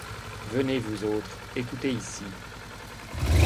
Venez, vous autres, écoutez ici.